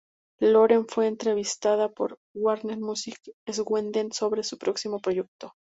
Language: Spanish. Loreen fue entrevistada por Warner Music Sweden sobre su próximo proyecto.